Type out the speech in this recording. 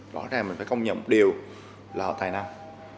rõ ràng mình phải công nhận điều là họ tài năng